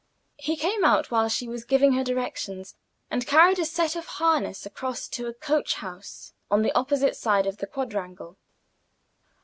He came out while she was giving her directions, and carried a set of harness across to a coach house on the opposite side of the quadrangle.